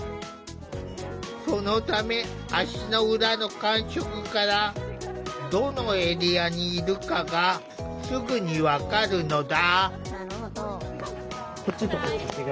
そのため足の裏の感触からどのエリアにいるかがすぐに分かるのだ。